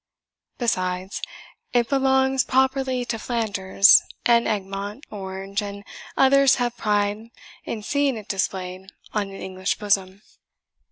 Besides, it belongs properly to Flanders; and Egmont, Orange, and others have pride in seeing it displayed on an English bosom."